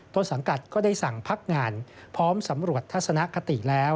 ต้นสังกัดก็ได้สั่งพักงานพร้อมสำรวจทัศนคติแล้ว